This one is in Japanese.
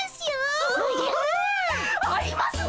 ありますね！